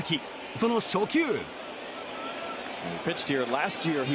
その初球。